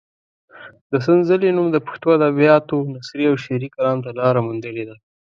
د سنځلې نوم د پښتو ادبیاتو نثري او شعري کلام ته لاره موندلې ده.